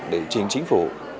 để chính phủ